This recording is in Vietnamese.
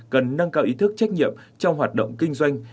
cần nâng cao ý thức trách nhiệm trong hoạt động kinh doanh